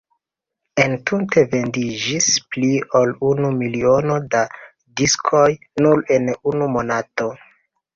Entute vendiĝis pli ol unu miliono da diskoj nur en unu monato.